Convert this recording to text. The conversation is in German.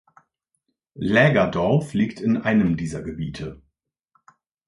Lägerdorf liegt in einem dieser Gebiete.